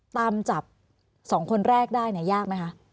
ตามจับ๒คนแรกได้เนี่ยยากไหมคะ